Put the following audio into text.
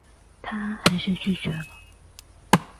她还是拒绝了